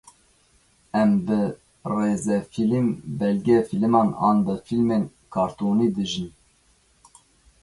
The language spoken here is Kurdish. em bi rêzefîlim, belge fîliman an bi fîlmên qartonî dijîn.